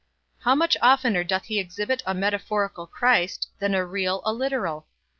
How much oftener doth he exhibit a metaphorical Christ, than a real, a literal?